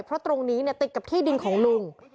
เพราะตรงนี้ติดกับที่ดินของลุง